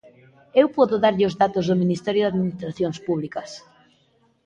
Eu podo darlle os datos do Ministerio de Administracións Públicas.